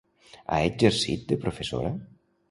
Ha exercit de professora?